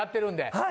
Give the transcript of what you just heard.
はい。